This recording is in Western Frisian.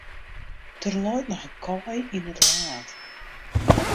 Der leit noch in kaai yn it laad.